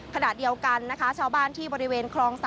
ขณะเดียวกันนะคะชาวบ้านที่บริเวณคลอง๓